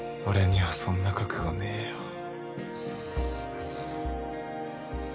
俺にはそんな覚悟ねえよ。